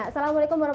assalamualaikum wr wb